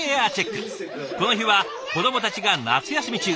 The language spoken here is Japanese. この日は子どもたちが夏休み中。